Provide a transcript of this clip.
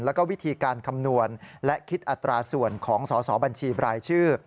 แล้วก็วิธีการคำนวณและคิดอัตราส่วนของสอสอบัญชีบรายชื่อ